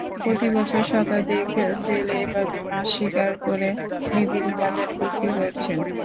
প্রতিবছর শতাধিক জেলে এভাবে মাছ শিকার করে বিভিন্ন বাজারে বিক্রি করছেন।